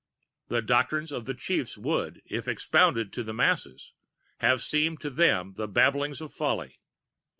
[The doctrines of the Chiefs would, if expounded to the masses, have seemed to them the babblings of folly.